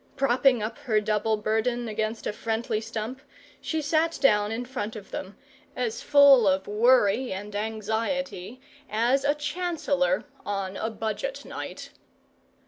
Propping up her double burden against a friendly stump, she sat down in front of them, as full of worry and anxiety as a Chancellor on a Budget night.